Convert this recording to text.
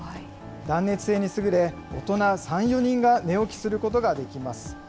断熱性に優れ、大人３、４人が寝起きすることができます。